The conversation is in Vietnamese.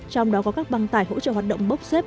trong đó có các băng tải hỗ trợ hoạt động bốc xếp